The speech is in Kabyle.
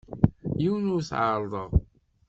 Yiwen ur t-ɛerrḍeɣ.